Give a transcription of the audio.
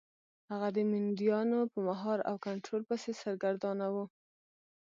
هغه د مینډیانو په مهار او کنټرول پسې سرګردانه و.